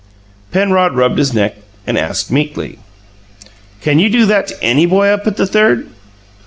Penrod rubbed his neck and asked meekly: "Can you do that to any boy up at the Third?"